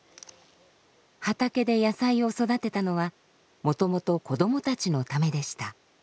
畑で野菜を育てたのはもともと子どもたちのためでした。